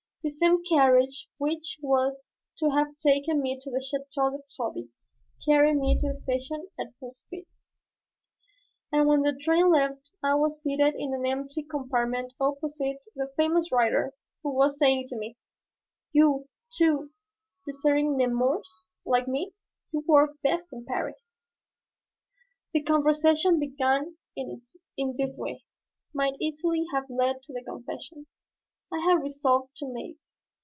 The same carriage which was to have taken me to the Château de Proby carried me to the station at full speed, and when the train left I was seated in an empty compartment opposite the famous writer, who was saying to me, "You, too, deserting Nemours? Like me, you work best in Paris." The conversation begun in this way, might easily have led to the confession I had resolved to make.